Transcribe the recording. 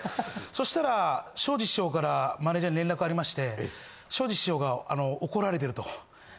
そしたらショージ師匠からマネージャーに連絡ありましてショージ師匠が怒られてると。